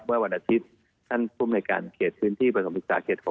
ว่าวันอาทิตย์ท่านผู้มายรการเขตพื้นที่ต่อสมศิษย์สาหกเกช๖